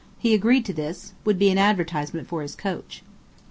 He agreed to this, would be an advertisement for his coach.